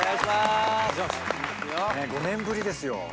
５年ぶりですよ。